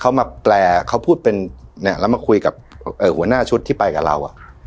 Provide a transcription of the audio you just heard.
เขามาแปลเขาพูดเป็นเนี่ยแล้วมาคุยกับหัวหน้าชุดที่ไปกับเราอ่ะ